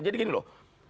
jadi gini loh